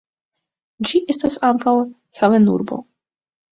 Ĝi estas ankaŭ havenurbo.